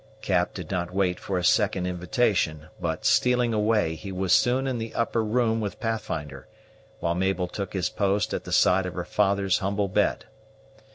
Cap did not wait for a second invitation; but, stealing away, he was soon in the upper room with Pathfinder, while Mabel took his post at the side of her father's humble bed.